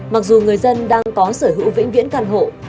mặc dù người dân đang có sở hữu vĩnh viễn căn hộ